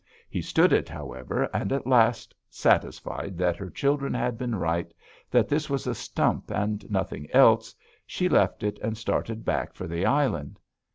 He stood it, however, and at last, satisfied that her children had been right, that this was a stump and nothing else, she left it and started back for the island.